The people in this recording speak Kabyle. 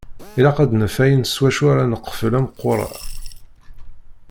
Ilaq ad d-naf ayen s wacu ara neqfel ameqqur-a.